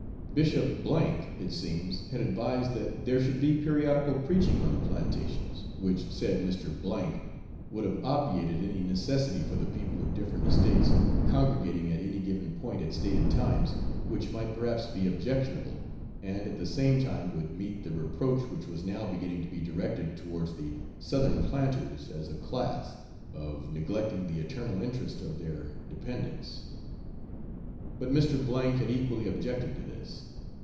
Bishop B , it seems, had advised that there should be periodical preaching on the plantations, which, said Mr. B , would have obviated any necessity for the people of different estates congregating at any given point at stated times, which might perhaps be objectionable, and at the same time would meet the reproach which was now beginning to be directed towards the southern planters as a class, of neglecting the eternal interest of their dependents. But Mr. K had equally objected to this.